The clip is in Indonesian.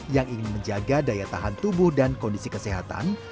yang ingin menjaga daya tahan tubuh dan kondisi kesehatan